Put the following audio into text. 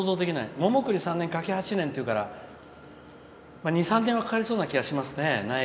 桃栗三年柿八年っていうから２３年はかかりそうな気はしますね。